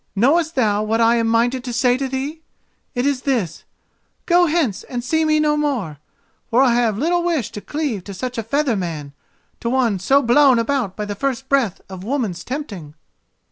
Knowest thou what I am minded to say to thee? It is this: 'Go hence and see me no more;' for I have little wish to cleave to such a feather man, to one so blown about by the first breath of woman's tempting."